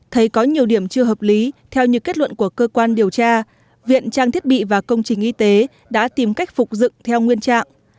thấy có nhiều điểm chưa hợp lý theo như kết luận của cơ quan điều tra viện trang thiết bị và công trình y tế đã tìm cách phục dựng theo nguyên trạng